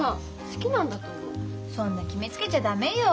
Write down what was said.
そんな決めつけちゃ駄目よ。